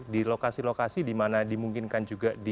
di lokasi lokasi dimana dimungkinkan juga di